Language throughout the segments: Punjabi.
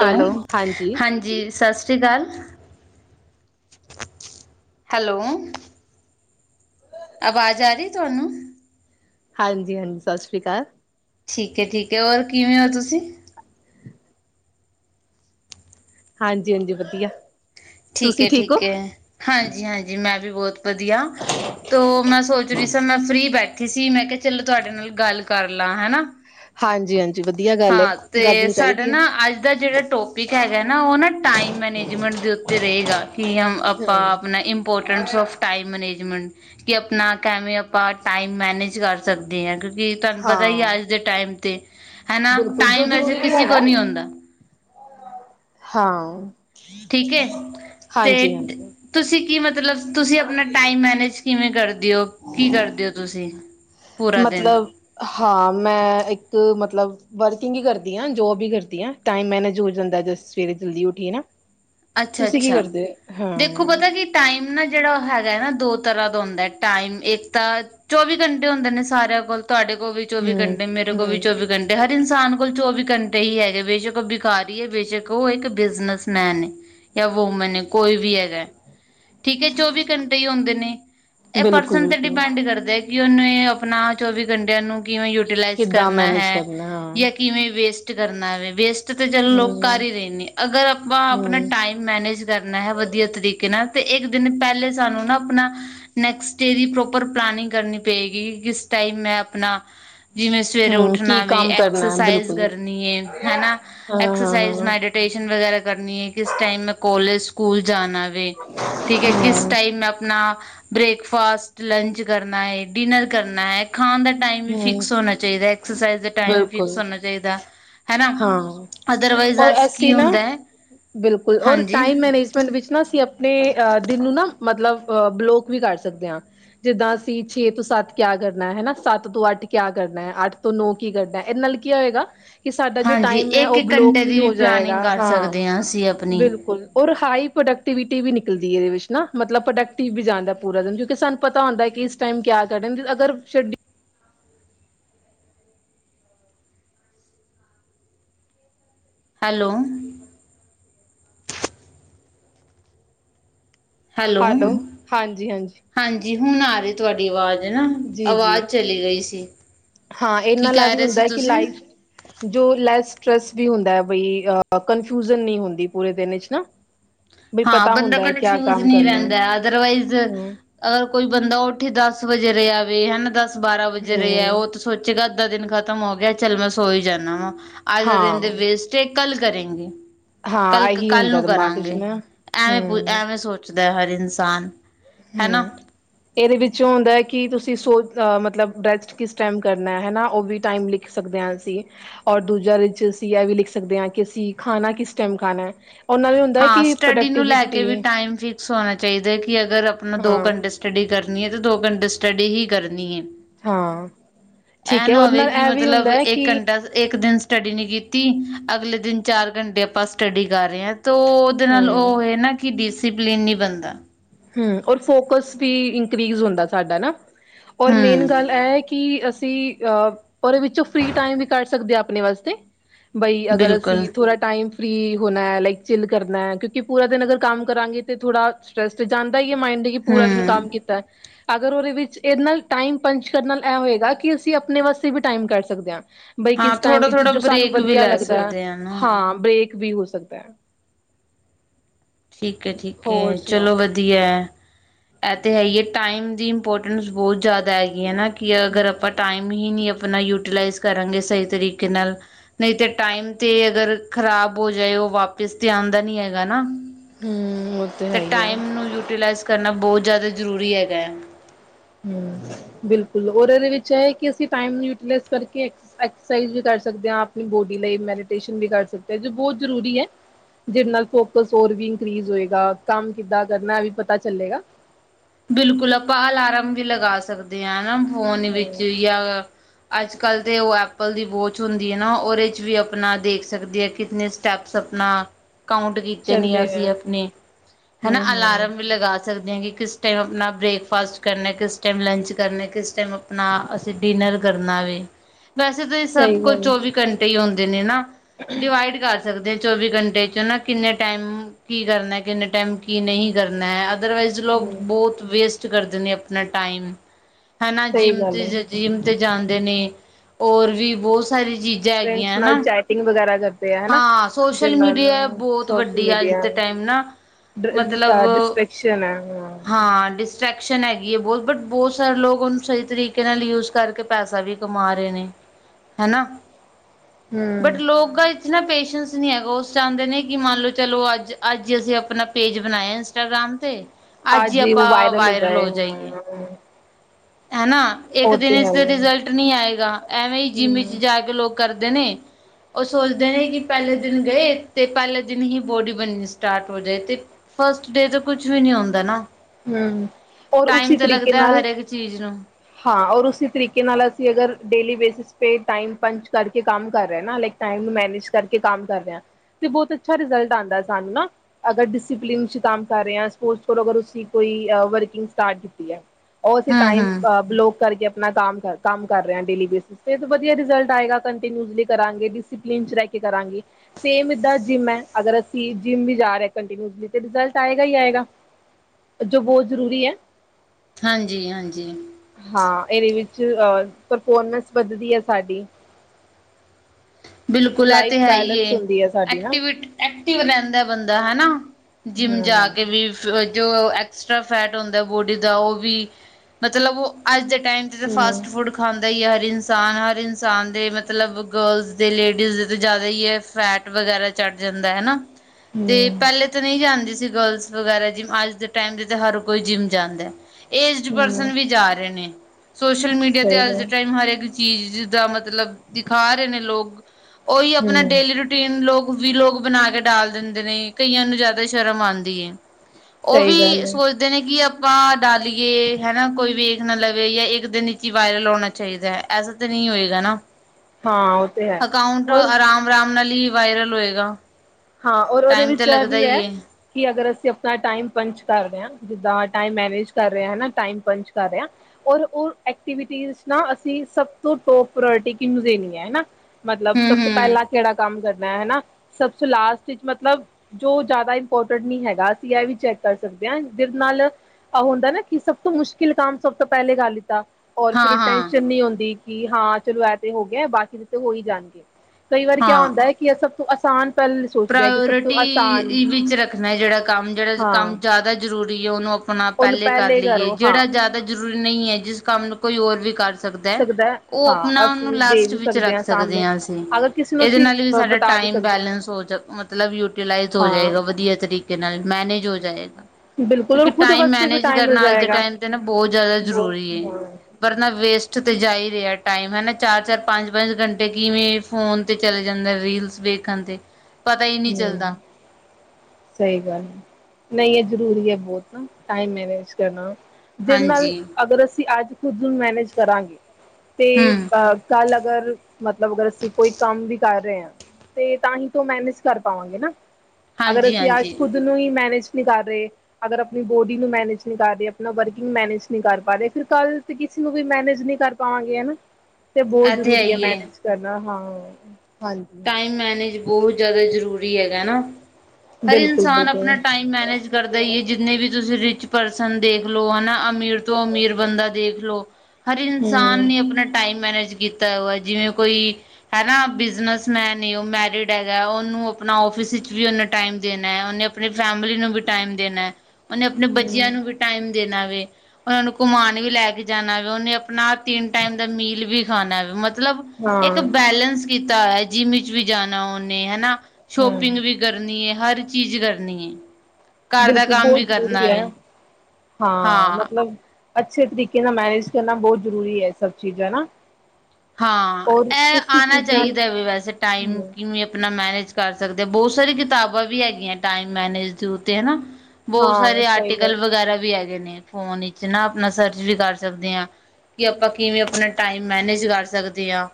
ਹੈਲੋ, ਹਾਂਜੀ, ਸਤਿ ਸ਼੍ਰੀ ਅਕਾਲ। ਹੈਲੋ? ਆਵਾਜ਼ ਆ ਰਹੀ ਤੁਹਾਨੂੰ? ਹਾਂਜੀ -ਹਾਂਜੀ, ਸਤਿ ਸ਼੍ਰੀ ਅਕਾਲ। ਠੀਕ ਹੈ- ਠੀਕ ਹੈ, ਔਰ ਕਿਵੇਂ ਹੋ ਤੁਸੀਂ? ਹਾਂਜੀ -ਹਾਂਜੀ ਵਧੀਆ। ਠੀਕ ਤੁਸੀਂ ਹੈ- ਹੋ ਠੀਕ ਹੈ। ਹਾਂਜੀ -ਹਾਂਜੀ ਮੈਂ ਵੀ ਬਹੁਤ ਵਧੀਆ ਤੋਂ ਮੈਂ ਸੋਚ ਰਹੀ ਸਾ ਮੈਂ ਫ੍ਰਰੀ ਬੈਠ ਈ ਸੀ, ਮੈਂ ਕਿਹਾ ਚਲੋ ਤੁਹਾਡੇ ਨਾਲ ਗੱਲ ਕਰ ਲਾਂ ਹਨਾ। ਹਾਂਜੀ ਹਾਂਜੀ ਵਧੀਆ ਗੱਲ ਹੈ ਹਾਂ, ਤੇ ਕਰਨੀ ਸਾਡਾ ਚਾਹੀਦੀ ਹੈ ਨਾ ਅੱਜ ਦਾ ਜਿਹੜਾ ਟੋਪਿਕ ਹੈਗਾ ਨਾ ਉਹ ਨਾ ਟਾਈਮ ਮੈਨੇਜਮੈਂਟ ਦੇ ਉੱਤੇ ਰਹੇਗਾ, ਕਿ ਹ ਆਪਾਂ ਹਮ ਆਪਣਾ ਇਮਪੋਰਟੇਸ ਆਫ ਟਾਈਮ ਮੈਨੇਜਮੈਂਟ ਕਿ ਆਪਣਾ ਕਿਵੇਂ ਆਪਾਂ ਟਾਈਮ ਮੈਨੇਜ ਕਰ ਸਕਦੇ ਹਾਂ, ਕਿਉਂਕਿ ਤੁਹਾਨੂੰ ਪਤਾ ਹੀ ਹਾਂ ਅੱਜ ਦੇ ਟਾਈਮ ਤੇ ਹਨਾ ਬਿਲਕੁਲ ਜੋ ਟਾਈਮ ਵੈਸੇ ਜ਼ਰੂਰੀ ਵੀ ਕਿਸੇ ਕੋ ਹੈਗਾ ਨਹੀਂ ਹੁੰਦਾ। ਹਾਂ। ਠੀਕ ਹੈ ਅਤੇ ਹਾਂਜੀ ਹਾਂਜੀ ਤੁਸੀਂ ਕੀ ਮਤਲਬ, ਤੁਸੀਂ ਆਪਣਾ ਟਾਈਮ ਮੈਨੇਜ ਕਿਵੇਂ ਕਰਦੇ ਹੋ ਕੀ ਕਰਦੇ ਹੋ? ਤੁਸੀਂ, ਪੂਰਾ ਦਿਨ ਮਤਲਬ ਹਾਂ। ਮੈਂ ਇੱਕ ਮਤਲਬ ਵਰਕਿੰਗ ਹੀ ਕਰਦੀ ਹਾ ਜੋਬ ਵੀ ਕਰਦੀ ਹਾ ਟਾਈਮ ਮੈਨੇਜ ਹੋ ਜਾਂਦਾ ਜੇ ਸਵੇਰੇ ਜਲਦੀ ਉੱਠੀਏ ਨਾ। ਅੱਛਾ- ਤੁਸੀਂ ਕੀ ਅੱਛਾ, ਕਰਦੇ ਹੋ? ਦੇਖੋ ਹਾਂ ਪਤਾ ਕੀ। ਟਾਈਮ ਨਾ ਜਿਹੜਾ ਉਹ ਹੈਗਾ ਹੈ ਨਾ ਦੋ ਤਰ੍ਹਾਂ ਦਾ ਹੁੰਦਾ ਟਾਈਮ ਇੱਕ ਤਾਂ। ਚੌਵੀ ਘੰਟੇ ਹੁੰਦੇ ਨੇ ਸਾਰਿਆਂ ਕੋਲ ਤੁਹਾਡੇ ਕੋਲ ਵੀ ਚੌਵੀ ਹਮ ਘੰਟੇ ਮੇਰੇ ਕੋਲ ਵੀ ਹਮ ਚੌਵੀ ਘੰਟੇ ਹਰ ਇਨਸਾਨ ਕੋਲ ਚੌਵੀ ਘੰਟੇ ਹੀ ਹੈਗੇ ਬੇਸ਼ੱਕ ਬਿਕਾਰੀ ਹੈ ਬੇਸ਼ੱਕ ਉਹ ਇੱਕ ਬਿਜਨਸਮੈਨ ਯ ਵੋ ਮੈਨ ਕੋਈ ਵੀ ਹੈ। ਠੀਕ ਚੌਵੀ ਘੰਟੇ ਹੀ ਹੁੰਦੇ ਨੇ ਇਹ ਬਿਲਕੁਲ ਪਰਸਨ ਤੇ ਬਿਲਕੁਲ ਡਿਪੈਂਡ ਕਰਦੇ। ਕਿ ਉਹਨੇ ਆਪਣਾ ਚੌਵੀ ਘੰਟਿਆਂ ਨੂੰ ਕਿਵੇਂ ਯੂਟੀਲਾਈਜ਼ ਕਿੱਦਾਂ ਕਰਨਾ ਮੈਨੇਜ ਹੈ। ਕਰਨਾ ਹਾਂ ਜਾਂ ਕਿਵੇਂ ਵੇਸਟ। ਕਰਨਾ ਵੇ ਵੇਸਟ ਤੇ ਚੱਲ ਲੋਕ ਕਰ ਹਮ ਹੀ ਰਹੇ ਨੇ ਅਗਰ ਆਪਾਂ ਆਪਣਾ ਹਮ ਮੈਨੇਜ ਕਰਨਾ ਹੈ ਵਧੀਆ ਤਰੀਕੇ ਨਾਲ ਤੇ ਇੱਕ ਦਿਨ ਪਹਿਲੇ ਸਾਨੂੰ ਨਾ ਆਪਣਾ ਨੈਕਸਟ ਦੀ ਪ੍ਰੋਪਰ ਪਲਾਨਿੰਗ ਕਰਨੀ ਪਏਗੀ ਜਿਸ ਟਾਈਮ ਮੈਂ ਆਪਣਾ ਜਿਵੇਂ ਸਵੇਰੇ ਹੂੰ ਕੀ ਉੱਠਣਾ ਵੇ ਕੰਮ ਕਰਨਾ ਹੈ ਐਕਸਰਸਾਈਜ਼ ਬਿਲਕੁਲ ਕਰਨੀ ਹੈ ਹਨਾ ਹਾਂ ਐਕਸਰਸਾਈਜ਼। ਹਾਂ ਪਟੀਸ਼ਨ ਵਗੈਰਾ ਕਰਨੀ ਹੈ ਕਿਸ ਟਾਈਮ ਮੈਂ ਕਾਲੇਜ ਸਕੂਲ ਜਾਨਾ। ਠੀਕ ਹੈ, ਹਾਂ ਕਿਸ ਹੂੰ ਟਾਈਮ ਮੇ ਆਪਣਾ। ਬ੍ਰੇਕਫਾਸਟ, ਲੰਚ ਕਰਨਾ ਹੈ ਡਿਨਰ ਕਰਨਾ ਹੈ ਖਾਣ ਦਾ ਟਾਈਮ ਵੀ ਫਿਕਸ ਹੂੰ ਹੋਣਾ ਚਾਹੀਦਾ ਹੈ। ਐਕਸਰਸਾਈਜ ਦਾ ਟਾਈਮ ਫਿਕਸ ਬਿਲਕੁਲ ਹੋਨਾ ਚਾਹੀਦਾ ਹੈ। ਹਾਂ ਅਦਰਵਾਈਜ਼ ਔਰ ਅਜ ਕੀ ਅਸੀਂ ਨਾ ਹੁੰਦਾ ਹੈ। ਬਿਲਕੁਲ ਔਰ ਹਾਂਜੀ ਟਾਈਮ ਮੈਨੇਜ ਵਿੱਚ ਨਾ ਅਸੀਂ ਆਪਣੇ ਦਿਨ ਨੂੰ ਨਾ ਮਤਲਬ ਬਲੋਕ ਵੀ ਕਰ ਸਕਦੇ ਹਾਂ। ਜਿੱਦਾਂ ਅਸੀਂ ਛੇ ਤੋਂ ਸੱਤ ਕਿਆ ਕਰਨਾ, ਹਨਾ ਸੱਤ ਤੋਂ ਅੱਠ ਕਿਆ ਕਰਨਾ ਹੈ ਅੱਠ ਤ ਨੋ ਕੀ ਕਰਨਾ, ਇਹਦੇ ਨਾਲ ਕੀ ਹੋਏਗਾ ਕਿ ਸਾਡਾ ਜੋ ਹਾਂਜੀ ਟਾਈਮ ਹੈ ਇੱਕ ਉਹ ਇੱਕ ਘੰਟੇ ਬਲੋਕ ਵੀ ਦੀ ਹੋ ਜਾਏਗਾ, ਪਲਾਨਿੰਗ ਕਰ ਹਾਂ ਸਕਦੇ ਅਸੀਂ ਆਪਣੀ ਬਿਲਕੁਲ ਔਰ ਹਾਈ ਪ੍ਰੋਡਕਟੀਵਿਟੀ ਵੀ ਨਿਕਲਦੀ ਇਹਦੇ ਵਿੱਚ ਨਾ ਮਤਲਬ ਪ੍ਰੋਡਕਟਿਵ ਵੀ ਜਾਂਦਾ ਪੂਰਾ ਦਿਨ ਕਿਉਂਕਿ ਸਾਨੂੰ ਪਤਾ ਹੁੰਦਾ ਕਿ ਇਸ ਟਾਈਮ ਕਿਆ ਕੱਣ ਅਗਰ ਸ਼ਡਊ ਹੈਲੋ, ਹੈਲੋ ਹਾਂਜੀ ਹਾਂਜੀ, ਹਾਂਜੀ ਹੁਣ ਆ ਰਹੀ ਤੁਹਾਡੀ ਆਵਾਜ਼ ਨਾ ਜੀ ਆਵਾਜ਼ ਜੀ ਚਲੀ ਗਈ ਸੀ ਹਾਂ ਇਹ ਕੀ ਨਾਲ ਆ ਕਹਿ ਵੀ ਰਹੇ ਸੀ ਹੁੰਦਾ ਕਿ ਤੁਸੀਂ ਲਾਈਫ ਜੋ ਲੈਸ ਸਤਰੇਸ ਵੀ ਹੁੰਦਾ ਬ ਕਨਫਿਊਜਨ ਨਹੀਂ ਹੁੰਦੀ ਪੂਰੇ ਦਿਨ ਵਿੱਚ ਨਾ ਬਈ ਹਾਂ ਪਤਾ ਬੰਦਾ ਹੁੰਦਾ ਹੈ ਕਿਆ ਕਨਫਿਊਜ ਕੰਮ ਨਹੀਂ ਕਰਨਾ ਹੈ। ਰਹਿੰਦਾ ਅਦਰਵਾਈਜ਼ ਹਮ ਅਗਰ ਕੋਈ ਬੰਦਾ ਉੱਠ ਹੀ ਦਸ ਵਜੇ ਰਿਹਾ ਵੇ ਹਨਾ ਦਸ ਬਾਰਾਂ ਵਜੇ ਰਿਹਾ ਹਮ ਉਹ ਸੋਚੇਗਾ ਅੱਧਾ ਦਿਨ ਖ਼ਤਮ ਹੋ ਗਿਆ ਚੱਲ ਮੈਂ ਸੋਈ ਜਾਂਦਾ ਵਾ ਅੱਜ ਦਾ ਦਿਨ ਤੇ ਹਾਂ ਵੇਸਟ ਤੇ ਕੱਲ ਕਰੇਗੇ ਕੱਲ ਹਾਂ ਇਹੀ ਕੱਲ ਹੁੰਦਾ ਨੂੰ ਦਿਮਾਗ ਚ ਕਰਾਂਗੇ ਨਾ ਐਵੇਂ ਪੁ ਹਮ ਐਵੇਂ ਸੋਚਦਾ ਹਰ ਇਨਸਾਨ ਹੂੰ, ਹੈਨਾ ਇਹਦੇ ਵਿੱਚੋਂ ਹੁੰਦਾ ਹੈ ਕਿ ਤੁਸੀਂ ਸੋ ਅ ਮਤਲਬ ਬ੍ਰੈਸਟ ਕਿਸ ਟਾਈਮ ਕਰਨਾ ਹਨਾ ਉਹ ਵੀ ਟਾਈਮਲੀ ਦੇਖ ਸਕਦੇ ਹਾਂ ਅਸੀ ਔਰ ਦੂਜਾ ਅਸੀਂ ਇਹ ਵੀ ਲਿਖ ਸਕਦੇ ਆ ਕਿ ਅਸੀਂ ਖਾਣਾ ਕਿਸ ਟਾਈਮ ਖਾਣਾ। ਉਹਨਾਂ ਇਹ ਹੁੰਦਾ ਹੈ ਕਿ ਪ੍ਰੋਡਕਟੀਵਿਟੀਟੀ। ਸੋਣਾ ਚਾਹੀਦਾ ਕਿ ਅਗਰ ਆਪਣਾ ਦੋ ਹਾਂ ਘੰਟੇ ਸਟੱਡੀ ਕਰਨੀ ਐ ਤਾਂ ਦੋ ਘੰਟੇ ਸਟੱਡੀ ਹੀ ਕਰਨੀ ਐ। ਹਾਂ ਠੀਕ ਐ, ਉਹਦੇ ਨਾਲ ਕਿ ਇਹ ਵੀ ਮਤਲਬ ਹੁੰਦਾ ਇੱਕ ਕੀ, ਘੰਟਾ ਇੱਕ ਦਿਨ ਸਟੱਡੀ ਨੀ ਕੀਤੀ ਅਗਲੇ ਦਿਨ ਚਾਰ ਘੰਟੇ ਆਪਾਂ ਸਟੱਡੀ ਕਰ ਰਹੇ ਆ ਤੋਂ। ਉਹਦੇ ਹਾਂ ਨਾਲ ਉਹ ਨਾ ਕਿ ਡਿਸਿਪਲਿਨ ਨੀ ਬਣਦਾ। ਹੂੰ, ਔਰ ਫੋਕਸ ਵੀ ਇੰਕਰੀਜ਼ ਹੁੰਦਾ ਸਾਡਾ। ਔਰ ਮੇਨ ਹਮ ਗੱਲ ਇਹ ਆ ਕਿ ਅਸੀਂ ਅਹ ਓਦੇ ਵਿੱਚੋਂ ਫਰੀ ਟਾਈਮ ਵੀ ਕੱਢ ਸਕਦੇ ਹਾਂ ਆਪਣੇ ਵਾਸਤੇ ਬਈ ਅਗਰ ਬਿਲਕੁਲ ਅਸੀਂ ਥੋੜ੍ਹਾ ਟਾਈਮ ਫ੍ਰਰੀ ਹੋਣਾ ਲਾਈਕ ਚਿੱਲ ਕਰਨਾ ਕਿਉਂਕਿ ਪੂਰਾ ਦਿਨ ਅਗਰ ਕੰਮ ਕਰਾਂਗੇ ਤੇ ਥੋੜਾ ਸਟ੍ਰੈਸ। ਤੇ ਜਾਂਦਾ ਈ ਐ ਮਾਇਂਡ ਕਿ ਪੂਰਾ ਦਿਨ ਹਮ ਕੰਮ ਕੀਤਾ। ਅਗਰ ਉਹਦੇ ਵਿੱਚ ਇਹਦੇ ਨਾਲ ਟਾਈਮ ਪੰਚ ਕਰਨ ਨਾਲ ਇਹ ਹੋਏਗਾ ਕਿ ਅਸੀਂ ਆਪਣੇ ਵਾਸਤੇ ਵੀ ਟਾਈਮ ਕੱਢ ਸਕਦੇ ਆ। ਬਾਈ ਹਾਂ ਕਿਸ ਟਾਈਮ ਥੋੜਾ ਵਿੱਚ ਥੋੜਾ ਜੋ ਸਾਨੂੰ ਬ੍ਰੇਕ ਵੀ ਵਧੀਆ ਲੈ ਲੱਗਦਾ ਸਕਦੇ ਆ ਨਾ ਹਾਂ ਬ੍ਰੇਕ ਵੀ ਹੋ ਸਕਦਾ। ਠੀਕ ਠੀਕ ਹੋਰ ਚਲੋ ਸੁਣਾਓ ਵਧੀ, ਆ ਏ ਤਾਂ ਹੈਈ ਐ ਟਾਈਮ ਦੀ ਇੰਪੋਰਟੈਂਸ ਬਹੁਤ ਜ਼ਿਆਦਾ। ਹੈਗੀ ਆ ਨਾ ਕਿ ਅਗਰ ਆਪਾਂ ਹਮ ਟਾਈਮ ਹੀ ਨੀ ਆਪਣਾ ਯੂਟੀਲਾਈਜ਼ ਕਰਾਂਗੇ ਸਹੀ ਤਰੀਕੇ ਨਾਲ ਨਹੀਂ ਤੇ ਟਾਈਮ ਤੇ ਅਗਰ ਖ਼ਰਾਬ ਹੋ ਜਾਏ ਉਹ ਵਾਪਿਸ ਤੇ ਆਂਦਾ ਨੀ ਹੈਗਾ ਨਾ। ਹੂੰ, ਤੇ ਟਾਈਮ ਨੂੰ ਯੂਟੀਲਾਈਜ਼ ਕਰਨਾ ਬਹੁਤ ਜ਼ਿਆਦਾ ਜ਼ਰੂਰੀ ਹੈਗਾ। ਹੂੰ, ਬਿਲਕੁਲ ਔਰ ਇਹਦੇ ਵਿੱਚ ਇਹ ਕਿ ਅਸੀਂ ਟਾਈਮ ਯੂਟੀਲਾਈਸ ਕਰਕੇ ਐਕਸਰਸਾਈਜ਼ ਵੀ ਕਰ ਸਕਦੇ ਆ ਆਪਣੀ ਬੋਡੀ ਲਈ ਮੈਡੀਟੇਸ਼ਨ ਵੀ ਕਰ ਸਕ ਹਾਂ ਜੋ ਬਹੁਤ ਜ਼ਰੂਰੀ ਐ। ਜਿਦੇ ਨਾਲ ਫੋਕਸ ਹੋਰ ਵੀ ਇੰਕਰੀ ਹੋਏਗਾ ਕੰਮ ਕਿੱਦਾਂ ਕਰਨਾ ਵੀ ਪਤਾ ਚੱਲੇਗਾ। ਬਿਲਕੁਲ ਆਪਾਂ ਅਲਾਰਮ ਵੀ ਲਗਾ ਸਕਦੇ ਆ ਹਨਾ ਫੋਨ ਵਿੱਚ ਜਾਂ ਅੱਜ ਕੱਲ੍ਹ ਤਾਂ ਉਹ ਐਪਲ ਦੀ ਵੋਚ ਹੁੰਦੀ ਐ ਨਾ ਉਹਦੇ 'ਚ ਵੀ ਆਪਣਾ ਦੇਖ ਸਕਦੀ ਆ ਕਿਤਨ ਸਟੈਪਸ ਆਪਣਾ ਕਾਉਂਟ ਕੀਤੇ ਨੇ ਚੱਲਦੇ ਅਸੀਂ ਆ ਆਪਣੇ ਹਨਾ ਹਮ ਹਮ ਅਲਾਰਮ ਵੀ ਲਗਾ ਸਕਦੇ ਹਾਂ ਕਿ ਕਿਸ ਕਿਸ ਟਾਈਮ ਆਪਣਾ ਬ੍ਰੇਕਫਾਸਟ ਕਰਨਾ, ਕਿਸ ਟਾਈਮ ਲੰਚ ਕਰਨਾ, ਕਿਸ ਟਾਈਮ ਆਪਣਾ ਅਸੀਂ ਡਿਨਰ ਕਰਨਾ ਵਾ ਵੈਸੇ ਤਾਂ ਇਹ ਸਭ ਸਹੀ ਕੁਲ ਗੱਲ ਚੌਵੀ ਘੰਟੇ ਹੀ ਹੁੰਦੇ ਨੇ ਨਾ ਡਿਵਾਈਡ ਕਰ ਸਕਦੇ ਚੌਵੀ ਘੰਟੇ ਚ ਨਾ ਕਿੰਨੇ ਟਾਈਮ ਕੀ ਕਰਨਾ ਕਿੰਨੇ ਟਾਈਮ ਕੀ ਨਹੀਂ ਕਰਨਾ। ਅਦਰਵਾਈਜ਼ ਲੋਕ ਹਮ ਬਹੁਤ ਵੇਸਟ ਕਰਦੇ ਨੇ ਆਪਣਾ ਟਾਈਮ ਹਨਾ ਸਹੀ ਜਿਮ ਗੱਲ ਹੈ ਜਿੰਮ ਤੇ ਜਾਂਦੇ ਨੇ ਹੋਰ ਵੀ ਬਹੁਤ ਸਾਰੀ ਚੀਜ਼ਾਂ ਫਰੈਂਡਸ ਹੈਗੀਆਂ ਨਾਲ ਹਨਾ ਚੈਟਿੰਗ ਵਗੈਰਾ ਕਰਦੇ। ਆ ਹਨਾ ਹਾਂ ਜਿਹਦੇ ਸੋਸ਼ਲ ਨਾਲ ਮੀਡੀਆ ਬਹੁਤ ਸੋਸ਼ਲ ਵੱਡੀ ਅੱਜ ਮੀਡੀਆ ਦੇ ਟਾਈਮ ਨਾ। ਮਤਲਬ ਡਿਸਟ੍ਰੈਕਸ਼ਨ ਹੈ ਹਮ ਹਾਂ [unintelligible] ਇਨਟਰੈਕਸ਼ਨ ਹੈਗੀ ਐ ਬਹੁਤ ਬਟ ਬਹੁਤ ਸਾਰੇ ਲੋਕ ਉਹਨੂੰ ਸਹੀ ਤਰੀਕੇ ਨਾਲ ਯੂਜ ਕਰਕੇ ਪੈਸਾ ਵੀ ਕਮਾ ਰਹੇ ਨੇ। ਹਨਾ ਬਟ ਲੋਕਾਂ ਇਤਨਾ ਪੇਸ਼ੈਂਸ ਨਹੀਂ ਹੈਗਾ ਉਸ ਚਾਹੁੰਦੇ ਨੇ ਕਿ ਮੰਨ ਲਓ ਚਲੋ ਅੱਜ ਅੱਜ ਅਸੀਂ ਆਪਣਾ ਪੇਜ ਬਣਾਇਆ। ਇੰਸਟਾਗ੍ਰਾਮ ਤੇ ਅੱਜ ਹੀ ਆਪਾਂ ਵਾਇਰਲ ਹੋ ਜਾਈਏ। ਹਨਾ ਇੱਕ ਉਹ ਦਿਨ ਹੈ ਤੇ ਹੀ ਹੈ। ਰਿਜਲਟ ਨਹੀਂ ਆਏਗਾ ਐਵੇਂ ਹੀ ਜਿੰਮ ਵਿਚ ਹੂੰ ਜਾ ਕੇ ਲੋਕ ਕਰਦੇ ਨੇ। ਉਹ ਸੋਚਦੇ ਨੇ ਕਿ ਪਹਿਲੇ ਦਿਨ ਗਏ ਤੇ ਪਹਿਲੇ ਦਿਨ ਹੀ ਬੋਡੀ ਬਣਣੀ ਸਟਾਰਟ ਹੋ ਜਾਏ ਤੇ ਫਸਟ ਡੇ ਤੇ ਕੁਛ ਵੀ ਨੀ ਹੁੰਦਾ ਨਾ। ਹੂੰ, ਔਰ ਟਾਈਮ ਉਸੀ ਤਾਂ ਤਰੀਕੇ ਲੱਗਦਾ ਨਾਲ ਹਰ ਇੱਕ ਚੀਜ਼ ਨੂੰ ਹਾਂ, ਔਰ ਉਸੇ ਤਰੀਕੇ ਨਾਲ ਅਸੀਂ ਅਗਰ ਡੇਲੀ ਬੇਸਿਸ ਪੇ ਟਾਈਮ ਪੰਚ ਕਰਕੇ ਕੰਮ ਕਰ ਰਹੇ ਨਾ ਲੇਕਿਨ ਟਾਈਮ ਨੂੰ ਮੈਨੇਜ ਕਰਕੇ ਕੰਮ ਕਰ ਰਿਹਾ। ਤੇ ਬਹੁਤ ਅੱਛਾ ਰਿਜਲਟ ਆਂਦਾ ਸਾਨੂੰ ਨਾ ਅਗਰ ਡਿਸਿਪਲਿਨ ਚ ਕੰਮ ਕਰ ਰਹੇ ਸਪੋਸ ਕੋਲੋਂ ਅ ਕੋਈ ਵਰਕਿੰਗ ਸਟਾਰਟ ਕੀਤੀ ਐ ਉਹ ਅਸੀਂ ਟਾਈਮ ਹੂੰ-ਹੂੰ, ਬਲੋਕ ਕਰਕੇ ਆਪਣਾ ਕੰਮ ਕੰਮ ਕਰ ਰਿਹਾ ਡੇਲੀ ਬੇਸਿਸ ਫਿਰ ਵਧੀਆ ਰਿਜ਼ਲਟ ਆਏ ਕੰਟਿਨੂਜਲੀ ਚ ਕਰਾਂਗੇ ਡਿਸੀਪਲੀਨ ਚ ਰਹਿ ਕੇ ਕਰਾਂਗੇ। ਸੇਮ ਏਦਾਂ ਜਿੰਮ ਐ ਅਗਰ ਅਸੀਂ ਜਿੰਮ ਵੀ ਜਾ ਰਹੇ ਰਿਜਲਟ ਆਏਗਾ ਹੀ ਆਏਗਾ। ਜੋ ਬਹੁਤ ਜ਼ਰੂਰੀ ਐ। ਹਾਂਜੀ ਹਾਂਜੀ। ਹਾਂ ਇਹਦੇ ਵਿੱਚ ਪਰਫੋਰਮੈਂਸ ਵੱਧਦੀ ਏ ਸਾਡੀ। ਬਿਲਕੁਲ ਇਹ ਤੇ ਲਾਈਫ ਹੈ ਈ ਬੈਲੈਂਸ ਏ ਹੁੰਦੀ ਹੈ ਸਾਡੀ ਨਾ ਐਕਟੀਵਿਟੀ ਐਕਟਿਵ ਰਹਿੰਦਾ ਬੰਦਾ ਹੈਨਾ ਜਿੰਮ ਜਾ ਹਮ ਕੇ ਵੀ ਜੋ ਐਕਸਟਰਾ ਫੈਟ ਹੁੰਦਾ ਬੋਡੀ ਦਾ ਉਹ ਵੀ ਮਤਲਬ ਅੱਜ ਦੇ ਟਾਈਮ ਤੇ ਹਮ ਫਾਸਟ ਫੂਡ ਖਾਂਦਾ ਹੀ ਹੈ ਹਰ ਇਨਸਾਨ ਹਰ ਇਨਸਾਨ ਦੇ ਮਤਲਬ ਗਰਲਜ਼ ਤੇ ਲੇਡੀਜ਼ ਦੇ ਤੇ ਜ਼ਿਆਦਾ ਹੀ ਹੈ ਫੈਟ ਵਗੈਰਾ ਚੜ ਜਾਂਦਾ ਹੈਨਾ ਤੇ ਹਮ ਪਹਿਲੇ ਤਾਂ ਨਹੀਂ ਜਾਂਦੀ ਸੀ ਗਰਲਸ ਵਗੈਰਾ ਜਿਮ ਅੱਜ ਦੇ ਟਾਈਮ ਦੇ ਤੇ ਹਰ ਕੋਈ ਜਿੰਮ ਜਾਂਦਾ। ਏਜਡ ਹਮ ਪਰਸਨ ਵੀ ਜਾ ਰਹੇ ਨੇ ਸੋਸ਼ਲ ਮੀਡੀਆ ਸਹੀ ਤੇ ਅੱਜ ਗੱਲ ਦੇ ਟਾਈਮ ਹਰ ਏਕ ਚੀਜ਼ ਦਾ ਮਤਲਬ ਦਿਖਾ ਰਹੇ ਨੇ ਲੋਕ ਉਹੀ ਆਪਣਾ ਹਮ ਡੇਲੀ ਰੂਟੀ ਤਿੰਨ ਲੋਕ ਵੀਲੋਗ ਬਣਾ ਕੇ ਡਾਲ ਦਿੰਦੇ ਨੇ ਕਈਆਂ ਨੂੰ ਜਿਆਦਾ ਸ਼ਰਮ ਆਂਦੀ ਏ। ਉਹ ਸਹੀ ਗੱਲ ਵੀ ਹੈ ਸੋਚ ਜਿਵੇਂ ਕਿ ਆਪਾਂ ਡਾਲੀਏ ਹੈਨਾ ਕੋਈ ਵੇਖ ਨਾ ਲਵੇ ਜਾਂ ਇੱਕ ਦਿਨ ਇਚ ਹੀ ਵਾਇਰਲ ਹੋਣਾ ਚਾਹੀਦਾ ਹੈ। ਐਸਾ ਤਾਂ ਨਹੀਂ ਹੋਏਗਾ ਨਾ? ਹਾਂ। ਤੇ ਹੈ ਅਕਾਊਂਟ ਔਰ ਅਰਾਮ-ਅਰਾਮ ਨਾਲ ਹੀ ਵਾਇਰਲ ਹੋਏਗਾ। ਹਾਂ, ਔਰ ਉਹਦੇ ਟਾਈਮ ਵਿੱਚ ਤੇ ਇਹ ਲੱਗਦਾ ਵੀ ਹੈ। ਹੀ ਕਿ ਅਗਰ ਅਸੀਂ ਆਪਣਾ ਟਾਈਮ ਪੰਚ ਕਰ ਰਹੇ ਹਾਂ, ਜਿੱਦਾਂ ਟਾਈਮ ਮੈਨੇਜ ਕਰ ਰਹੇ ਹਾਂ ਹੈ ਨਾ ਟਾਈਮ ਪੰਚ ਕਰ ਰਹੇ ਹਾਂ। ਔਰ, ਔਰ ਐਕਟੀਵਿਟੀਸ ਨਾ, ਅਸੀਂ ਸਭਤੋਂ ਟੋਪ ਪ੍ਰਿਓਰਿਟੀ ਕਿਨੂੰ ਦੇਣੀ ਹੈਨਾ? ਮਤਲਬ ਹੂੰ ਸਭ ਤੋਂ ਹੂੰ ਪਹਿਲਾਂ ਕਿਹੜਾ ਕੰਮ ਕਰਨਾ ਹੈਨਾ? ਸਬ ਤੋਂ ਲਾਸਟ ਚ ਮਤਲਬ ਜੋ ਜ਼ਿਆਦਾ ਇਪੋਰਟਟ ਨੀ ਹੈਗਾ, ਅਸੀ ਇਹ ਵੀ ਚੈਕ ਕਰ ਸਕਦੇ ਹਾਂ ਜਿਦ ਨਾਲ ਆ ਹੁੰਦਾ ਨਾ, ਕਿ ਸਭ ਤੋਂ ਮੁਸ਼ਕਿਲ ਕੰਮ ਸਭ ਤੋਂ ਪਹਿਲੇ ਕਰ ਲਿੱਤਾ। ਔਰ ਹਾਂ ਫਿਰ ਹਾਂ ਟੈਂਸ਼ਨ ਨਹੀਂ ਹੋਂਦੀ ਕਿ ਹਾਂ ਚਲੋ ਇਹ ਤੇ ਹੋ ਗਿਆ, ਬਾਕੀ ਦੇ ਤੇ ਹੋ ਹੀ ਜਾਨਗੇ! ਕਈ ਵਾਰੀ ਕਿਆ ਹਾਂ ਹੁੰਦਾ ਹੈ ਕਿ ਇਹ ਸਭ ਤੋਂ ਆਸਾਨ ਪਹਿਲ ਪ੍ਰਾਇਓਰਿਟੀ ਵਿੱਚ ਰੱਖਣਾ ਜਿਹੜਾ ਕੰਮ ਜਿਹੜਾ ਹਾਂ ਕੰਮ ਜ਼ਿਆਦਾ ਜ਼ਰੂਰੀ ਹੈ, ਉਹਨੂੰ ਅਪਨਾ ਉਹਨੂੰ ਪਹਿਲੇ ਕਰ ਲਈਏ, ਕਰੋ ਹਾਂ ਜਿਹੜਾ ਜ਼ਿਆਦਾ ਜ਼ਰੂਰੀ ਨਹੀਂ ਏ ਜਿਸ ਕੰਮ ਨੂੰ ਕੋਈ ਹੋਰ ਵੀ ਕਰ ਸਕਦਾ, ਉਹ ਹਾਂ ਆਪਣਾ ਉਹਨੂੰ ਅਸੀਂ ਦੇ ਲਾਸਟ ਵੀ ਵਿੱਚ ਰੱਖ ਹਾਂ ਸਕਦੇ ਸਾਹਮਣੇ ਹਾਂ ਅਸੀਂ। ਅਗਰ ਕਿਸੇ ਨੂੰ ਇਹਦੇ ਅਸੀਂ ਨਾਲ ਵੀ ਸਾਡਾ ਬਤਾ ਵੀ ਟਾਈਮ ਸਕਦੇ ਹਾਂ ਬੈਲੈਂਸ ਹੋ ਸਕ ਮਤਲਬ ਯੂਟੀਲਾਈਜ਼ ਹੋ ਜਾਏਗਾ ਹਾਂ ਵਧੀਆ ਤਰੀਕੇ ਨਾਲ ਮੈਨੇਜ ਹੋ ਜਾਏਗਾ। ਬਿਲਕੁਲ ਔਰ ਕਿਉਂਕਿ ਖੁਦ ਟਾਈਮ ਵਾਸਤੇ ਵੀ ਮੈਨੇਜ ਟਾਈਮ ਮਿਲ ਕਰਨਾ ਅੱਜ ਦੇ ਜਾਏਗਾ ਟਾਈਮ ਤੇ ਨਾ ਬਹੁਤ ਜ਼ਿਆਦਾ ਬਹੁਤ ਜ਼ਰੂਰੀ ਏ। ਹਾਂ ਪਰ ਨਾ ਵੇਸਟ ਤੇ ਜਾ ਹੀ ਰਿਹਾ ਟਾਈਮ ਹੈਨਾ ਚਾਰ-ਚਾਰ ਪੰਜ-ਪੰਜ ਘੰਟੇ ਕਿਵੇਂ ਫੋਨ ਤੇ ਚੱਲ ਜਾਂਦੇ ਰੀਲਸ ਵੇਖਣ ਤੇ ਪਤਾ ਹੀ ਨਹੀਂ ਹਮ ਚੱਲਦਾ। ਸਹੀ ਗੱਲ ਨਹੀਂ ਇਹ ਜ਼ਰੂਰੀ ਏ ਬਹੁਤ ਨਾ ਟਾਈਮ ਮੈਨੇਜ ਕਰਨਾ। ਜਿਹਦੇ ਨਾਲ ਹਾਂਜੀ ਅਗਰ ਅਸੀਂ ਅੱਜ ਖੁਦ ਨੂੰ ਮੈਨੇਜ ਕਰਾਂਗੇ ਤੇ ਹੂੰ ਅਹ ਕੱਲ ਅਗਰ ਮਤਲਬ ਅਗਰ ਅਸੀਂ ਕੋਈ ਕੰਮ ਵੀ ਕਰ ਰਹੇ ਆ। ਤੇ ਤਾਂ ਹੀ ਤੋ ਮੈਨੇਜ ਕਰ ਪਾਵਾਂਗੇ ਨਾ, ਅਗਰ ਅਸੀਂ ਅੱਜ ਹਾਂਜੀ-ਹਾਂਜੀ। ਖੁਦ ਨੂੰ ਹੀ ਮੈਨੇਜ ਨਹੀਂ ਕਰ ਰਹੇ। ਅਗਰ ਅਪਨੀ ਬੋਡੀ ਨੂੰ ਮੈਨੇਜ ਨਹੀਂ ਕਰਦੇ, ਅਪਨਾ ਵਰਕਿੰਗ ਮੈਨੇਜ ਨਹੀਂ ਕਰ ਪਾ ਰੇ, ਫਿਰ ਕੱਲ ਤੇ ਕਿਸੀ ਨੂੰ ਵੀ ਮੈਨੇਜ ਨੀ ਕਰ ਪਾਵਾਂਗੇ ਹੈਨਾ? [inaudible] ਤੇ ਬਹੁਤ ਤੇ ਹੈ ਜ਼ਰੂਰੀ ਏ ਈ ਮੈਨੇਜ ਕਰਨਾ ਹਾਂ ਹਾਂਜੀ। ਟਾਈਮ ਮੈਨੇਜ ਬਹੁਤ ਜ਼ਿਆਦਾ ਜਰੂਰੀ ਹੈਗਾ ਨਾ ਹਰ ਬਿਲਕੁਲ ਇਨਸਾਨ ਅਪਨਾ ਬਿਲਕੁਲ ਟਾਈਮ ਮੈਨੇਜ ਕਰਦਾ ਹੀ ਏ ਜਿੰਨੇ ਵੀ ਤੁਸੀਂ ਰਿਚ ਪਰਸਨ ਦੇਖ ਲਓ ਹਨਾ ਅਮੀਰ ਤੋਂ ਅਮੀਰ ਬੰਦਾ ਦੇਖ ਲਓ, ਹਰ ਹਮ ਇਨਸਾਨ ਨੇ ਅਪਨਾ ਟਾਈਮ ਮੈਨੇਜ ਕੀਤਾ। ਜਿਵੇਂ ਕੋਈ ਹੈ ਨਾ ਬਿਜਨਸ ਮੈਨ ਏ ਉਹ ਮੈਰਿਡ ਹੈਗਾ ਉਹਨੂੰ ਅਪਨਾ ਆਫਿਸ ਵਿੱਚ ਵੀ ਉਹਨੇ ਟਾਈਮ ਦੇਨਾ ਹੈ ਉਹਨੇ। ਅਪਣੀ ਫੈਮਿਲੀ ਨੂੰ ਵੀ ਟਾਈਮ ਦੇਣਾ। ਉਹਨੇ ਅਪਨੇ ਹਮ ਬੱਚਿਆਂ ਨੂੰ ਵੀ ਟਾਈਮ ਦੇਣਾ ਵੇ ਉਹਨਾਂ ਨੂੰ ਘੁਮਾਣ ਵੀ ਲੈ ਕੇ ਜਾਣਾ ਵੇ ਉਹਨੇ। ਆਪਣਾ ਤਿੰਨ ਟਾਈਮ ਦਾ ਮੀਲ ਵੀ ਖਾਣਾ ਵੇ ਮਤਲਬ ਇੱਕ ਹਾਂ ਬੈਲੇੈਂਸ ਕੀਤਾ ਹੋਇਆ। ਜਿੰਮ ਵਿੱਚ ਵੀ ਜਾਣਾ ਉਹਨੇ ਹੈਨਾ ਹਮ ਸ਼ੋਪਿੰਗ ਵੀ ਕਰਨੀ ਏ ਹਰ ਚੀਜ਼ ਕਰਨੀ ਏ। ਬਿਲਕੁਲ ਬਹੁਤ ਜ਼ਰੂਰੀ ਏ ਹਾਂ ਮਤਲਬ ਅੱਛੇ ਤਰੀਕੇ ਨਾਲ ਮੈਨੇਜ ਕਰਨਾ ਬਹੁਤ ਜ਼ਰੂਰੀ ਹੈ ਇਹ ਸਭ ਚੀਜ਼, ਹਨਾ? ਹਾਂ, ਇਹ ਆਉਣਾ ਚੀਜ਼ ਨਾਲ ਚਾਹੀਦਾ ਵੀ ਵੈਸੇ ਟਾਈਮ ਹਮ ਕਿਵੇਂ ਆਪਣਾ ਮੈਨੇਜ ਕਰ ਸਕਦੇ ਬਹੁਤ ਸਾਰੀ ਕਿਤਾਬਾਂ ਵੀ ਹੈਗੀਆਂ ਟਾਈਮ ਮੈਨੇਜ ਦੇ ਉੱਤੇ ਹਨਾ? ਬਹੁਤ ਹਾਂ ਸਾਰੇ ਸਹੀ ਆਰਟੀਕਲ ਗੱਲ ਵਗੈਰਾ ਵੀ ਹੈਗੇ ਨੇ। ਫੋਨ ਵਿਚ ਨਾ, ਆਪਣਾ ਸਰਚ ਵੀ ਕਰ ਸਕਦੇ ਹਾਂ ਕਿ ਆਪਾਂ ਕਿਵੇਂ ਆਪਣਾ ਟਾਈਮ ਮੈਨੇਜ ਕਰ ਸਕਦੇ ਹਾਂ,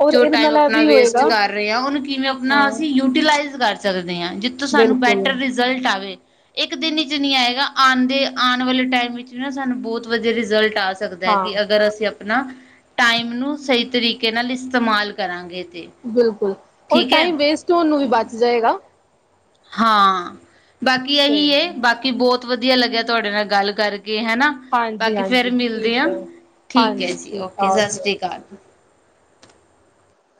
ਔਰ ਜੋ ਇਹਦੇ ਟਾਈਮ ਨਾਲ ਇਹ ਆਪਣਾ ਵੀ ਵੇਸਟ ਹੋਏਗਾ ਕਰ ਰਹੇ ਹਾਂ, ਉਹਨੂੰ ਕਿਵੇਂ ਆਪਣਾ ਹਾਂ ਅਸੀਂ ਯੂਟੀਲਾਈਜ਼ ਕਰ ਸਕਦੇ ਹਾਂ, ਜਿੱਥੋਂ ਸਾਨੂੰ ਬਿਲਕੁਲ ਬੈਟਰ ਰਿਜ਼ਲਟ ਆਵੇ। ਇੱਕ ਦਿਨ ਵਿੱਚ ਨਹੀਂ ਆਏਗਾ, ਆਉਣਦੇ ਆਉਣ ਵਾਲੇ ਟਾਈਮ ਵਿੱਚ ਵੀ ਨਾ, ਸਾਨੂੰ ਬਹੁਤ ਵਧੀਆ ਰਿਜ਼ਲਟ ਆ ਸਕਦਾ ਹਾਂ ਕਿ ਅਗਰ ਅਸੀਂ ਆਪਣਾ ਟਾਈਮ ਨੂੰ ਸਹੀ ਤਰੀਕੇ ਨਾਲ ਇਸਤੇਮਾਲ ਕਰਾਂਗੇ, ਤੇ ਬਿਲਕੁਲ! ਔਰ ਠੀਕ ਹੈ ਟਾਈਮ ਵੇਸਟ ਹੋਣ ਨੂੰ ਵੀ ਬਚ ਜਾਏਗਾ। ਹਾਂ, ਬਾਕੀ ਸਹੀ ਇਹੀ ਬਾਕੀ ਬਹੁਤ ਵਧੀਆ ਲੱਗਿਆ ਤੁਹਾਡੇ ਨਾਲ ਗੱਲ ਕਰਕੇ ਹਨਾ? ਹਾਂਜੀ ਬਾਕੀ ਫੇਰ ਹਾਂਜੀ ਮਿਲਦੇ ਠੀਕ ਹਾਂ, ਹੈ ਠੀਕ ਹੈ ਹਾਂਜੀ ਜੀ! ਠੀਕ ਓਕੇ ਸਤਿ ਆ ਸ੍ਰੀ ਅਕਾਲ!